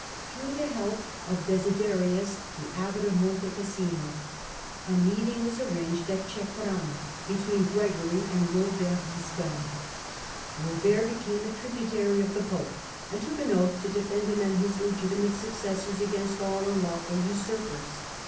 Through the help of Desiderius, the abbot of Monte Cassino, a meeting was arranged at Ceprano between Gregory and Robert Wiscard. Robert became a tributary of the Pope, and took an oath to defend him and his legitimate succes sors against all unlawful usurpers.